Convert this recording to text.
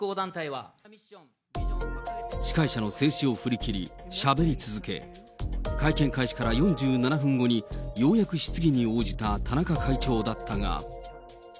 司会者の制止を振り切り、しゃべり続け、会見開始から４７分後に、ようやく質疑に応じた田中会長だったが。